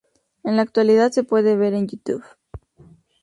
En la actualidad se puede ver en YouTube.